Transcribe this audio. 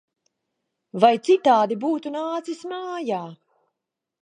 Vai citādi būtu nācis mājā!